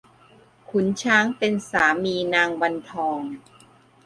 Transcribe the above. ขุนช้างเป็นสามีนางวันทอง